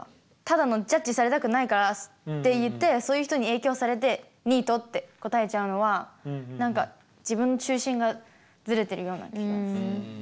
ただのジャッジされたくないからって言ってそういう人に影響されてニートって答えちゃうのは何か自分の中心がズレてるような気がする。